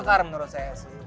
golkar menurut saya sih